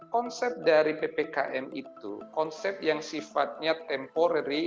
konsep dari ppkm itu konsep yang sifatnya temporary